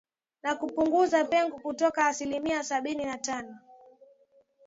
na kupunguza pengo kutoka asilimia sabini na tano